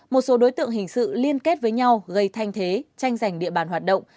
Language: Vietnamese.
một số đối tượng hình sự liên kết với nhau gây thanh thế tranh giành địa bàn hoạt động